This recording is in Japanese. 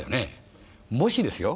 もしですよ